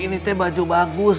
ini teh baju bagus